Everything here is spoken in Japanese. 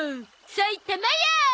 さいたまや！